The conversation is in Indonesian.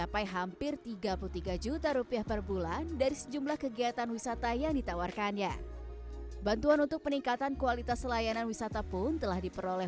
diperlukan oleh penerbangan yang diperlukan oleh penerbangan yang diperlukan itu lebih baik